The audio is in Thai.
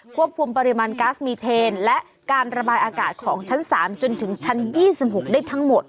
ปริมาณก๊าซมีเทนและการระบายอากาศของชั้น๓จนถึงชั้น๒๖ได้ทั้งหมด